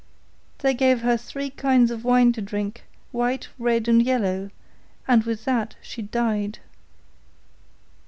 They gave her three kinds of wine to drink, white, red, and yellow, and with that she died.